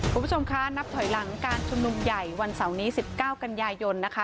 คุณผู้ชมคะนับถอยหลังการชุมนุมใหญ่วันเสาร์นี้๑๙กันยายนนะคะ